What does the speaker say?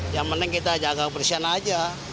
yang penting kita jaga kebersihan aja